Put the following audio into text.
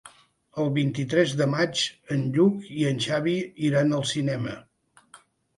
El vint-i-tres de maig en Lluc i en Xavi iran al cinema.